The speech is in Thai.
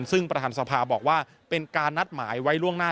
ซึ่งประธานสภาบอกว่าเป็นการนัดหมายไว้ล่วงหน้า